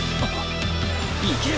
いける！